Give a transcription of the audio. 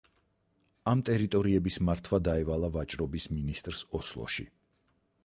ამ ტერიტორიების მართვა დაევალა ვაჭრობის მინისტრს ოსლოში.